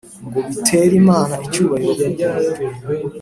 Ngo biter’Imana-icyubahiro Kuko